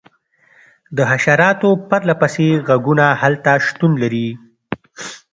د حشراتو پرله پسې غږونه هلته شتون لري